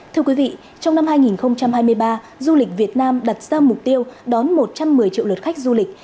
thưa quý vị trong năm hai nghìn hai mươi ba du lịch việt nam đặt ra mục tiêu đón một trăm một mươi triệu lượt khách du lịch